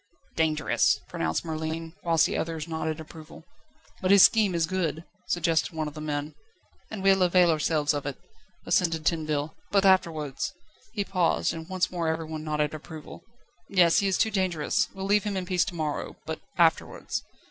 "Dangerous," pronounced Merlin, whilst the others nodded approval. "But his scheme is good," suggested one of the men. "And we'll avail ourselves of it," assented Tinville, "but afterwards ..." He paused, and once more everyone nodded approval. "Yes; he is dangerous. We'll leave him in peace to morrow, but afterwards